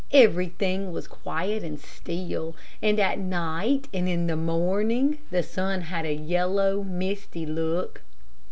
Everything was quiet and still, and at night and in the morning the sun had a yellow, misty look.